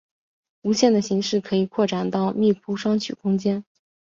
无限的形式可以扩展到密铺双曲空间。